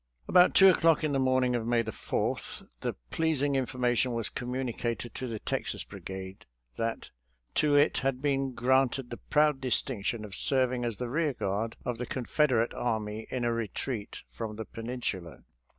*♦« About two o'clock on the morning of May 4th the pleasing information was communicated to the Texas Brigade that to it had been granted 32 AROUND YORKTOWN 33 the proud distinction of serving as the rear guard of the Confederate army in a retreat from the Peninsula.